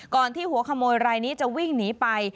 ที่หัวขโมยรายนี้จะวิ่งหนีไป